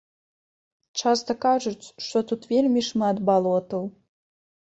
Часта кажуць, што тут вельмі шмат балотаў.